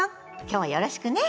今日はよろしくね。